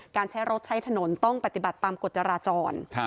การใช้รถใช้ถนนต้องปฏิบัติตามกฎจราจร